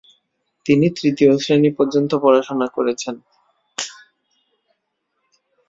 তিনি তৃতীয় শ্রেণী পর্যন্ত পড়াশোনা করেছেন।